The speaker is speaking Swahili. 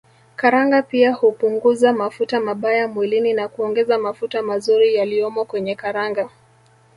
Karanga pia hupunguza mafuta mabaya mwilini na kuongeza mafuta mazuri yaliyomo kwenye karanga